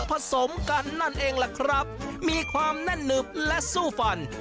ผสมกันนั่นเองล่ะครับมีความแน่นหนึบและสู้ฟัน